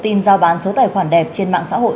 tin giao bán số tài khoản đẹp trên mạng xã hội